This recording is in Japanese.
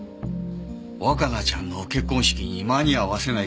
若菜ちゃんの結婚式に間に合わせないかんのですから。